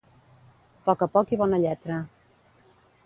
Poc a poc i bona lletra.